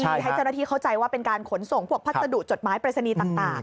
คือให้เจ้าหน้าที่เข้าใจว่าเป็นการขนส่งพวกพัสดุจดหมายปริศนีย์ต่าง